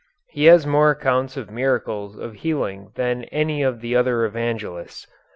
He has more accounts of miracles of healing than any of the other Evangelists.